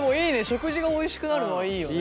食事がおいしくなるのはいいよね。